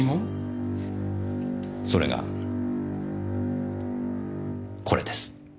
それがこれです。